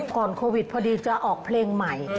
ก่อนโควิดพอดีจะออกเพลงใหม่